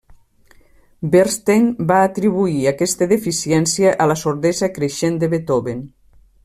Bernstein va atribuir aquesta deficiència a la sordesa creixent de Beethoven.